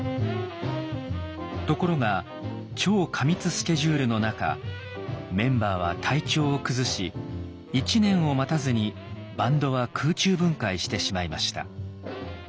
ところが超過密スケジュールの中メンバーは体調を崩し１年を待たずにバンドは空中分解してしまいました。